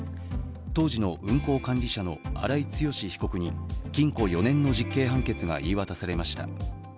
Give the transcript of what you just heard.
当時の運行管理者の荒井強被告に禁錮４年の実刑判決が言い渡されました。